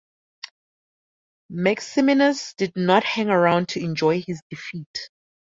Maximinus did not hang around to enjoy his defeat.